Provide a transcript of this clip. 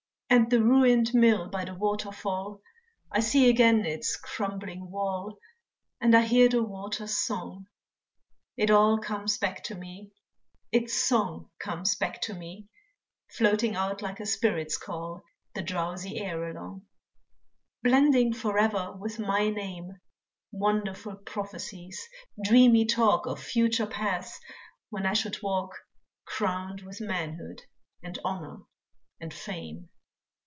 And the ruined mill by the waterfall, I see again its crumbling wall, And I hear the water's song. It all comes back to me Its song comes back to me, Floating out like a spirit's call The drowsy air along; Blending forever with my name Wonderful prophecies, dreamy talk, Of future paths when I should walk Crowned with manhood, and honor, and fame.